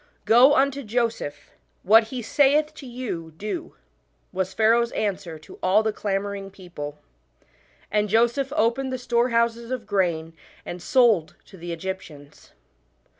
" Go unto Joseph ; what he saith to you, do," was Pharaoh's answer to all the clamouring people. And Joseph opened the storehouses of grain and sold to the Egyptians.